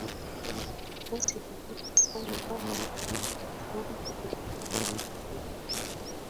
Mti Mrefu Sana wa Amazon Umepata mrefu